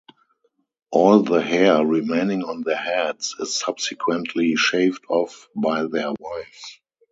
All the hair remaining on their heads is subsequently shaved off by their wives.